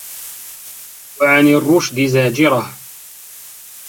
وَعَنْ الرُّشْدِ زَاجِرَةٌ